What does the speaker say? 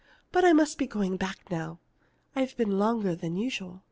But I must be going back now. I've been longer than usual.